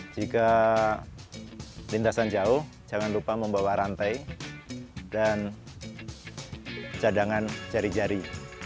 jika lintasan jauh jangan lupa membawa rantai dan cadangan jari jari